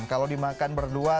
kalau dimakan berdua